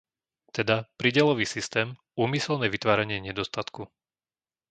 Teda, prídelový systém, úmyselné vytváranie nedostatku.